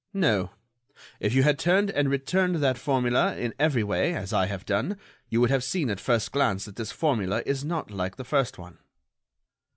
"No. If you had turned and returned that formula in every way, as I have done, you would have seen at first glance that this formula is not like the first one."